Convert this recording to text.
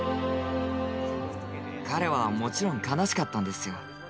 彼はもちろん悲しかったんですよ。